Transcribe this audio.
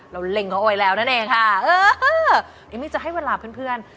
เล็งเขาโอยแล้วนั่นเองค่ะเออเอมมี่จะให้เวลาเพื่อนเพื่อน